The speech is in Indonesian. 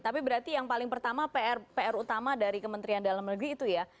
tapi berarti yang paling pertama pr utama dari kementerian dalam negeri itu ya